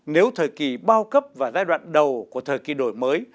nếu thời kỳ bao cấp và giai đoạn đầu của thời kỳ đổi mới